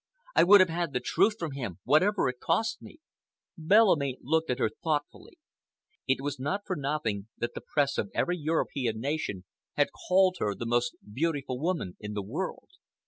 I would have had the truth from him, whatever it cost me." Bellamy looked at her thoughtfully. It was not for nothing that the Press of every European nation had called her the most beautiful woman in the world.